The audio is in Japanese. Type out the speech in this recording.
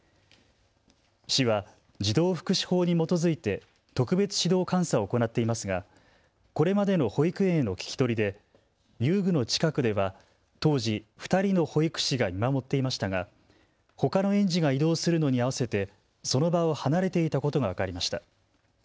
市は児童福祉法に基づいて特別指導監査を行っていますがこれまでの保育園への聞き取りで遊具の近くでは当時、２人の保育士が見守っていましたが、ほかの園児が移動するのに合わせてその場を離れていたことが分かりました。